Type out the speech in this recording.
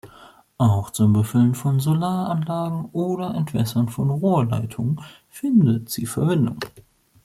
Auch zum Befüllen von Solaranlagen oder Entwässern von Rohrleitungen findet sie Verwendung.